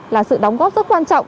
là sự đóng góp rất quan trọng